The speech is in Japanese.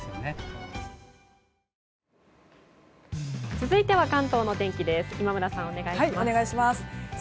続いては関東のお天気です。